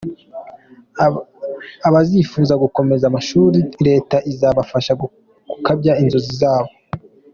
Abazifuza gukomeza amashuri leta izabafasha gukabya inzozi zabo.